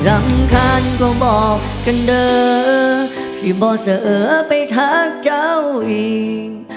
รำคัญก็บอกกันเด้อสิบอกเสือไปทักเจ้าอีก